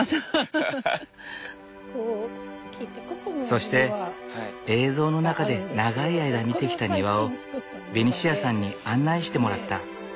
そして映像の中で長い間見てきた庭をベニシアさんに案内してもらった。